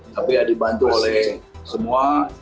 tapi ya dibantu oleh semua